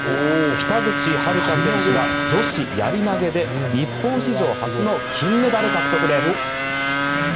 北口榛花選手が女子やり投げで日本史上初の金メダル獲得です。